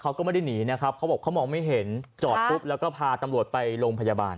เขาก็ไม่ได้หนีนะครับเขาบอกเขามองไม่เห็นจอดปุ๊บแล้วก็พาตำรวจไปโรงพยาบาล